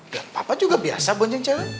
dan papa juga biasa bunceng cewek